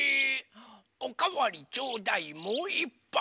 「おかわりちょうだいもういっぱい！」